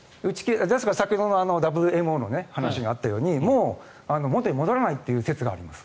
ですから先ほどのＷＭＯの話があったようにもう本当に戻らないという説があるんです。